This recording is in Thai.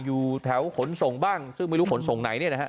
อยู่แถวขนส่งบ้างซึ่งไม่รู้ขนส่งไหนเนี่ยนะฮะ